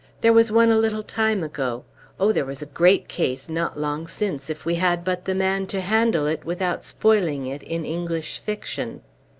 There was one a little time ago. Oh, there was a great case not long since, if we had but the man to handle it, without spoiling it, in English fiction!"